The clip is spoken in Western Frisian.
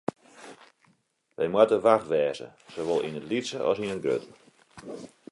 Wy moatte wach wêze, sawol yn it lytse as yn it grutte.